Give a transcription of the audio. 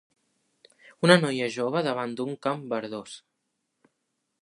Una noia jove davant d'un camp verdós